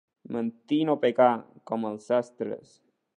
Mentir i no pecar, com els sastres.